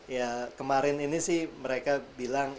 ya kemarin ini sih mereka bilang